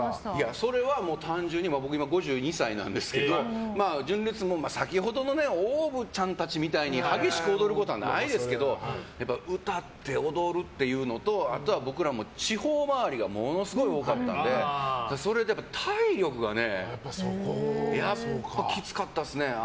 それは単純に今、僕５２歳なんですけど純烈も、先ほどのＯＷＶちゃんたちみたいに激しく踊ることはないですけど歌って踊るっていうのとあとは僕らも地方回りがものすごい多かったのでそれで体力がねやっぱきつかったですね。